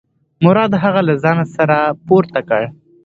مراد هغه له ځانه سره پورته کړ.